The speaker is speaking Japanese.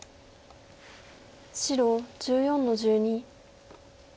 白１４の十二。